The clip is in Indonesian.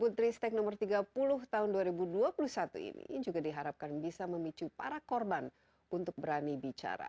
putri stek no tiga puluh tahun dua ribu dua puluh satu ini juga diharapkan bisa memicu para korban untuk berani bicara